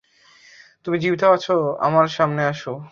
তুমি জীবিত আছো আমার সামনে আছো।